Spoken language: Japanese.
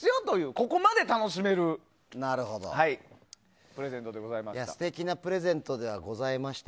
ここまで楽しめるプレゼントでございました。